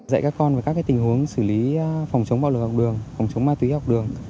dạy các con về các tình huống xử lý phòng chống bạo lực học đường phòng chống ma túy học đường